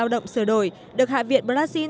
động sửa đổi được hạ viện brazil